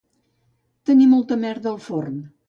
Tenir molta merda al forn